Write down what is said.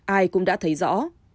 ai cũng đã thấy rõ